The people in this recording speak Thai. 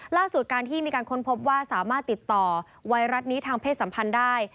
ล่าสุดการที่มีการค้นพบว่าสามารถติดต่อไวรัสนี้ทางเพศสัมพันธ์ได้